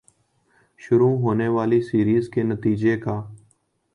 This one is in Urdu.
شروع ہونے والی سیریز کے نتیجے کا